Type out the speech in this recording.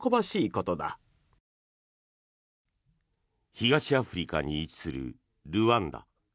東アフリカに位置するルワンダ。